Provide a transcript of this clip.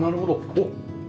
おっ！